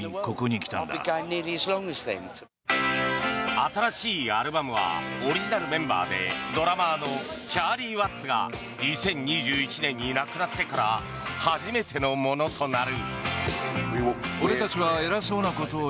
新しいアルバムはオリジナルメンバーでドラマーのチャーリー・ワッツが２０２１年に亡くなってから初めてのものとなる。